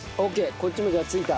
こっちもじゃあついた。